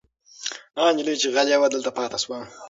هغه نجلۍ چې غلې وه دلته پاتې شوه.